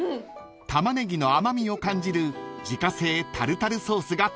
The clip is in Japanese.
［タマネギの甘みを感じる自家製タルタルソースが特徴］